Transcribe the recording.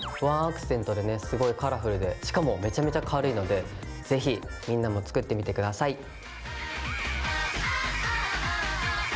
ワンアクセントでねすごいカラフルでしかもめちゃめちゃ軽いのでぜひみんなも作ってみて下さい！